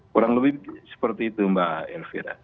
kurang lebih seperti itu mbak elvira